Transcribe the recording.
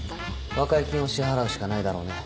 和解金を支払うしかないだろうね。